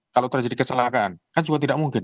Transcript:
kalau terjadi kecelakaan kan juga tidak mungkin